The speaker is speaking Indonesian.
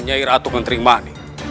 nyai ratu ketriman